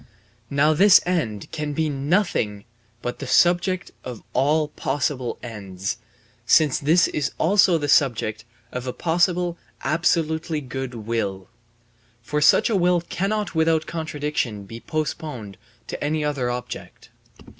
Now this end can be nothing but the subject of all possible ends, since this is also the subject of a possible absolutely good will; for such a will cannot without contradiction be postponed to any other object.